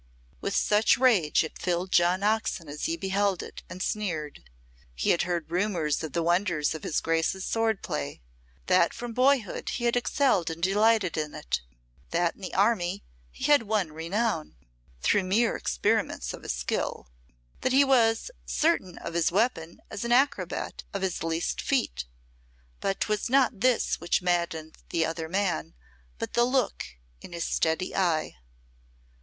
With such rage it filled John Oxon as he beheld it, and sneered. He had heard rumours of the wonders of his Grace's sword play, that from boyhood he had excelled and delighted in it, that in the army he had won renown, through mere experiments of his skill, that he was as certain of his weapon as an acrobat of his least feat but 'twas not this which maddened the other man but the look in his steady eye.